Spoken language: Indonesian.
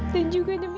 dan juga demi